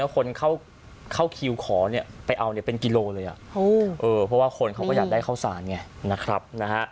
คนเข้าที่คันขราคนข้าวธรรม